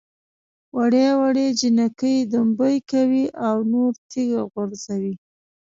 وړې وړې جنکۍ دمبۍ کوي او نور تیږه غورځوي.